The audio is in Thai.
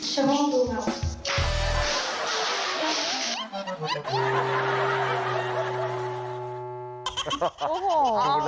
ชมองดูครับ